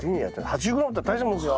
８０ｇったら大したもんですよ。